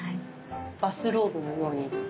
バスローブのように。